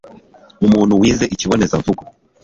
umuntu wize ikibonezamvugo